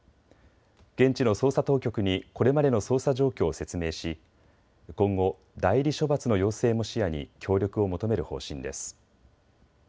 現地の捜査当局にこれまでの捜査状況を説明し今後、代理処罰の要請も視野に協力を求める方針です。